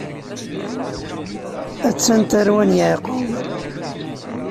A-tt-an tarwa n Yeɛqub.